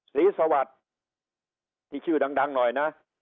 ศรีสวัสดิ์ที่ชื่อดังหน่อยนะ